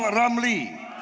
saudara rizal ramli